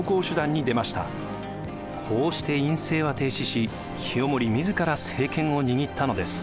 こうして院政は停止し清盛自ら政権を握ったのです。